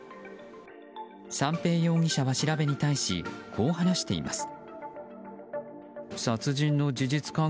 三瓶容疑者は調べに対しこう話しています。